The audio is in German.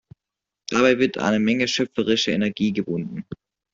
Dabei wird eine Menge schöpferische Energie gebunden.